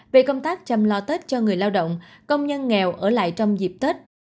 về công tác chăm lo tết cho người lao động công nhân nghèo ở lại trong dịp tết